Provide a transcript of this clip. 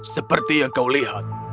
seperti yang kau lihat